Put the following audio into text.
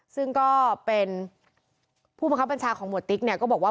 ซึ่งก็เป็นผู้บังคับบัญชาของหมวดติ๊กเนี่ยก็บอกว่า